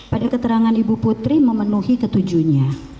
pada keterangan ibu putri memenuhi ketujuhnya